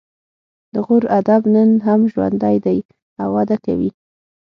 د غور ادب نن هم ژوندی دی او وده کوي